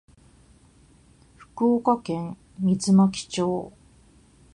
福岡県水巻町